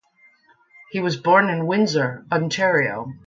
He was born in Windsor, Ontario.